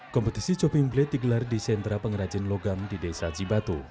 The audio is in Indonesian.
kompetisi chopping blade digelar di sentra pengrajin logam di desa jibatu